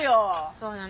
そうなの？